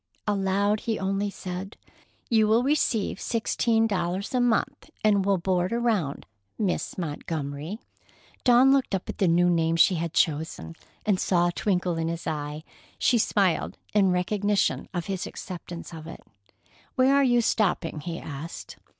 Aloud, he only said: "You will receive sixteen dollars a month, and will board around, Miss Montgomery." Dawn looked up at the new name she had chosen, and saw a twinkle in his eye. She smiled in recognition of his acceptance of it. "Where are you stopping?" he asked.